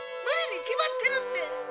ムリに決まってるって。